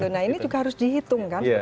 nah ini juga harus dihitung kan